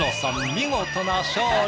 見事な勝利。